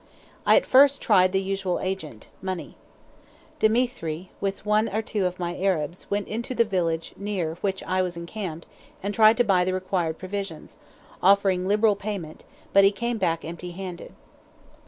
I at first tried the usual agent, money. Dthemetri, with one or two of my Arabs, went into the village near which I was encamped and tried to buy the required provisions, offering liberal payment, but he came back empty handed.